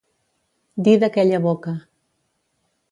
Dir d'aquella boca.